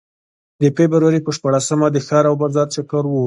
د فبروري په شپاړسمه د ښار او بازار چکر و.